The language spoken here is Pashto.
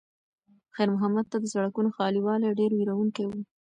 خیر محمد ته د سړکونو خالي والی ډېر وېروونکی و.